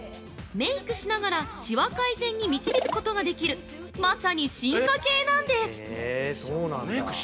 メイクしながらしわ改善に導くことができる、まさに進化系なんです！